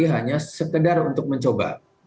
hanya sekedar untuk mencoba